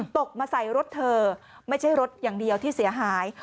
ตกมาใส่รถเธอไม่ใช่รถอย่างเดียวที่เสียหาย